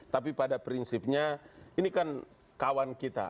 tapi pada prinsipnya ini kan kawan kita